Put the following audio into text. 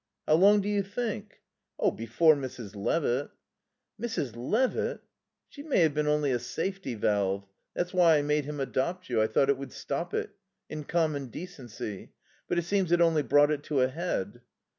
"How long do you think?" "Oh, before Mrs. Levitt." "Mrs. Levitt?" "She may have been only a safety valve. That's why I made him adopt you. I thought it would stop it. In common decency. But it seems it only brought it to a head."